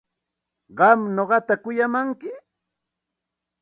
¿Qam nuqata kuyamanki?